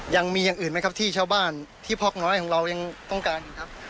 ยังมีอย่างอื่นไหมครับที่เช้าบ้านที่พ็อกน้อยของเรายังต้องการครับ